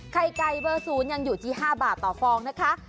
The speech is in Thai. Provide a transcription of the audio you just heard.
ไข่ไก่เบอร์๐ยังอยู่ที่๕บาทต่อฟองนะคะ